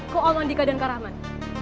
ke om andika dan ke rahman